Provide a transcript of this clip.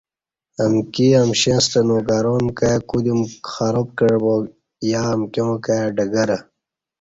امکی امشݩیں ستہ نوکران کائ کودیوم خراب کع با یا امکیاں کائ ڈگر